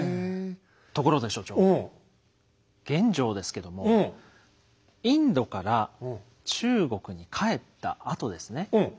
ところで所長玄奘ですけどもインドから中国に帰ったあとですね何をしてたと思いますか？